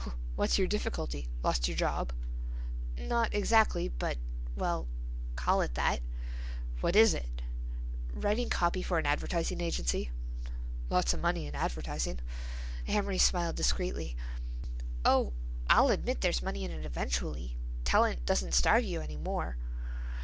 "What's your difficulty? Lost your job?" "Not exactly, but—well, call it that." "What was it?" "Writing copy for an advertising agency." "Lots of money in advertising." Amory smiled discreetly. "Oh, I'll admit there's money in it eventually. Talent doesn't starve any more.